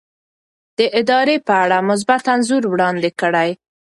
د ادارې په اړه مثبت انځور وړاندې کړئ.